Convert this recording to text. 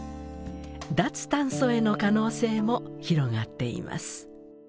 脱炭素への可能性も広がっています。